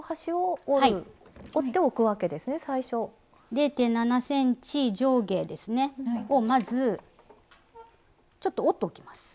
０．７ｃｍ上下ですねをまずちょっと折っておきます。